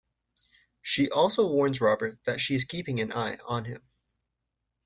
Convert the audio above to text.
She also warns Robert that she is keeping an eye on him.